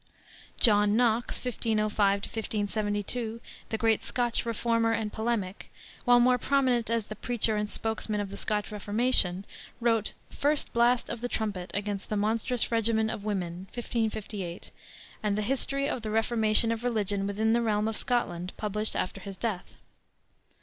John Knox (1505 1572), the great Scotch reformer and polemic, while more prominent as the preacher and spokesman of the Scotch Reformation, wrote First Blast of the Trumpet against the Monstrous Regimen of Women (1558), and the Historie of the Reformation of Religion within the Realme of Scotland, published after his death.